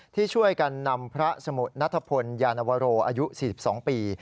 ที่ช่วยกันนำพระสมุทรนัทพลยานวโรอายุ๔๒ปี